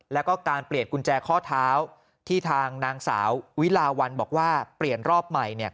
แล้วก็การเปลี่ยนกุญแจข้อเท้าที่ทางนางสาววิลาวันบอกว่าเปลี่ยนรอบใหม่